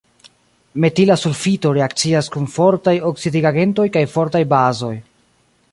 Metila sulfito reakcias kun fortaj oksidigagentoj kaj fortaj bazoj.